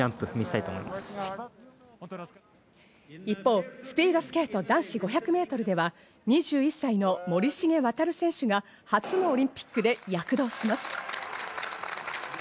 一方、スピードスケート男子５００メートルでは、２１歳の森重航選手が初のオリンピックで躍動します。